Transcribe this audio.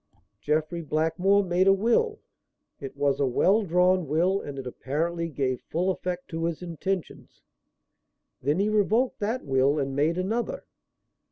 "Jeffrey Blackmore made a will. It was a well drawn will and it apparently gave full effect to his intentions. Then he revoked that will and made another.